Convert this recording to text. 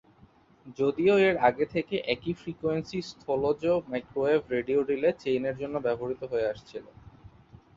যদিও এর আগে থেকে একই ফ্রিকোয়েন্সি স্থলজ মাইক্রোওয়েভ রেডিও রিলে চেইনের জন্য ব্যবহৃত হয়ে আসছিল।